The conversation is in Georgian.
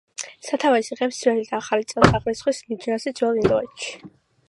სათავეს იღებს ძველი და ახალი წელთაღრიცხვის მიჯნაზე ძველ ინდოეთში.